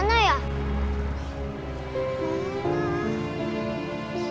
nah itu om mirza